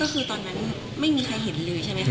ก็คือตอนนั้นไม่มีใครเห็นเลยใช่ไหมคะ